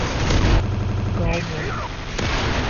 گاؤں میں ہوں۔